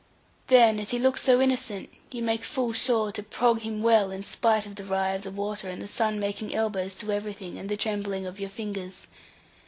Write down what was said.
Then, as he looks so innocent, you make full sure to prog him well, in spite of the wry of the water, and the sun making elbows to everything, and the trembling of your fingers.